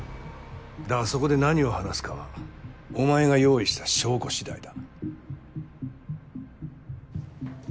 だがそこで何を話すかはお前が用意した証拠次第だ。